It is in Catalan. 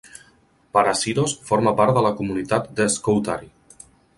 Parasyros forma part de la comunitat de Skoutari.